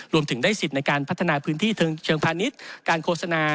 รวมถึงได้สิทธิ์ในการพัฒนาพื้นที่เชิงพาณิชย์การโฆษณา